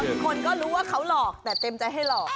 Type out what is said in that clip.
คนก็รู้ว่าเขาหลอกแต่เต็มใจให้หลอก